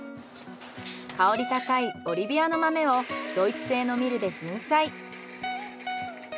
香り高いボリビアの豆をドイツ製のミルで粉砕。